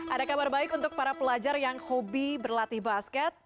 ada kabar baik untuk para pelajar yang hobi berlatih basket